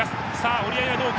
折り合いはどうか。